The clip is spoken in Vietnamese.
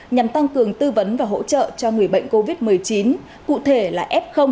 nhằm tăng cường tư vấn và hỗ trợ cho người bệnh covid một mươi chín cụ thể là f